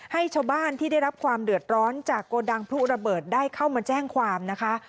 ให้ชาวบ้านที่ได้รับความเดือดร้อนจากโกดังพลุระเบิดได้เข้ามาแจ้งความนะคะ